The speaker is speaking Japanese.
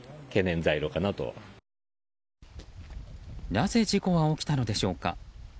なぜ事故は起きたのでしょうか。